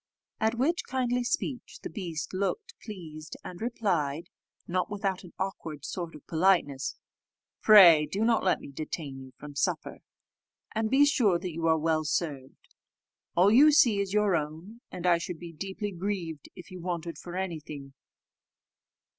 At which kindly speech the beast looked pleased, and replied, not without an awkward sort of politeness, "Pray do not let me detain you from supper, and be sure that you are well served. All you see is your own, and I should be deeply grieved if you wanted for any thing."